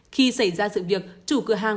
khi xảy ra sự việc chủ cửa hàng